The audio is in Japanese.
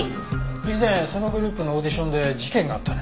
以前そのグループのオーディションで事件があったね。